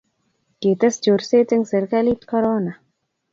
kites chorset eng' serikalit korona